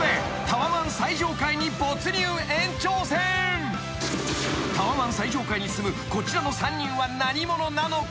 ［タワマン最上階に住むこちらの３人は何者なのか？］